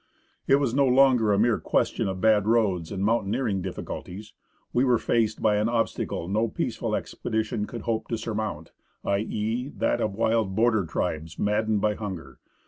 It was no longer a mere question of bad roads and mountaineering difficulties ; we were faced by an obstacle no peaceful expedition could hope to surmount, i.e., that of wild border tribes maddened by hunger.